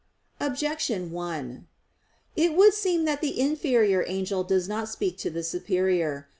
Objection 1: It would seem that the inferior angel does not speak to the superior.